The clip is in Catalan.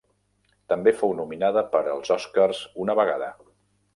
També fou nominada per als Oscars una vegada.